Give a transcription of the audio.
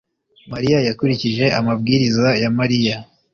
mariya yakurikije amabwiriza ya Mariya